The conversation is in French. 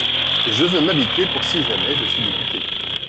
Je veux m’habituer pour si jamais je suis député…